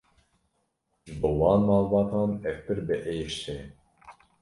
Ji bo wan malbatan ev pir biêş e.